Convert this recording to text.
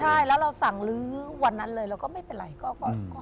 ใช่แล้วเราสั่งลื้อวันนั้นเลยเราก็ไม่เป็นไร